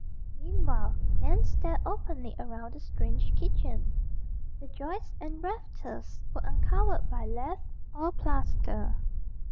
Meanwhile Nan stared openly around the strange kitchen. The joists and rafters were uncovered by laths or plaster.